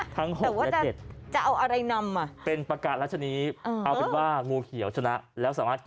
ทั้ง๖และ๗นิดหนึ่ง